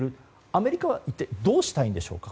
アメリカは一体どうしたいんでしょうか